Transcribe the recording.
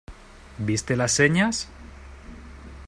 ¿Viste las señas?